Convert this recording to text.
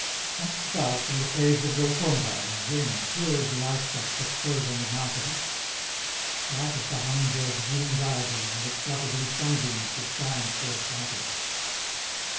Hast thou from the caves of Golconda, a gem Pure as the ice drop that froze on the mountain? Bright as the humming bird's green diadem, When it flutters in sun beams that shine through a fountain?